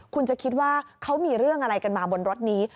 คุณจะคิดว่าเขามีเรื่องอะไรกันมาบนรถนี้